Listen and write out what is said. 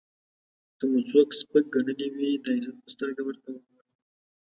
که مو څوک سپک ګڼلی وي د عزت په سترګه ورته وګورئ.